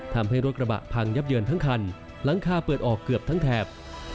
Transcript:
ทำให้รถกระบะพังยับเยินทั้งคันหลังคาเปิดออกเกือบทั้งแถบ